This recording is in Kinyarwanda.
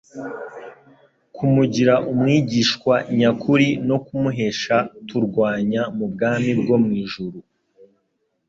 kumugira umwigishwa nyakuri no kumuhesha turwanya mu bwami bwo mu ijuru?